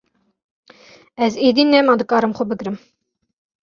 Ez êdî nema dikarim xwe bigirim.